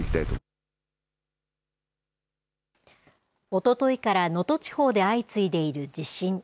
おとといから能登地方で相次いでいる地震。